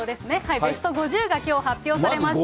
ベスト５０がきょう発表されました。